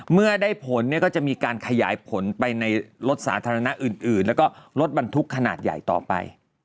เมื่อได้ผลเนี่ยก็จะมีการขยายผลไปในรถสาธารณะอื่นแล้วก็รถบรรทุกขนาดใหญ่ต่อไป